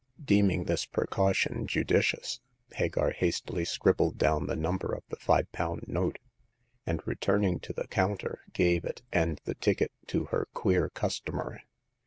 Deeming this precaution judicious, Hagar hastily scribbled down the number of the five pound note, and, returning to the counter, gave it and the ticket to her queer customer.